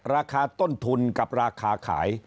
ราคาต้นทุนกับราคาขาย